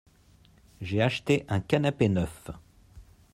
j'ai acheté un canapé neuf.